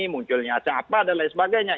munculnya siapa dan lain sebagainya